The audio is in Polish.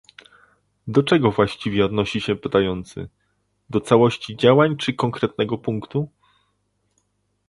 Do czego właściwie odnosi się pytający - do całości działań, czy konkretnego punktu?